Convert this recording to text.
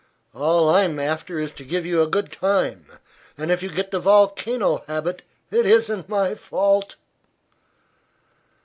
All I'm after is to give you a good time, and if you get the volcano habit it isn't my fault."